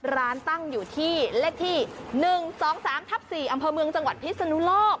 ร้านตั้งอยู่ที่เลขที่หนึ่งสองสามทับสี่อำเภอเมืองจังหวัดพิศนุลอบ